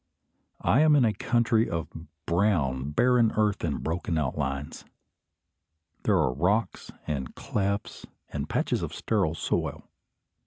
I am in a country of brown barren earth and broken outlines. There are rocks and clefts and patches of sterile soil.